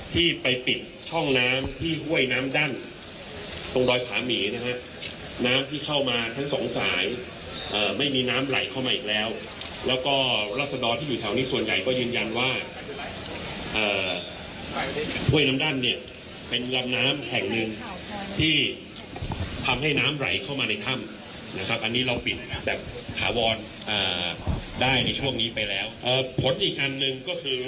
ที่ไปปิดช่องน้ำที่ห้วยน้ำดั่ง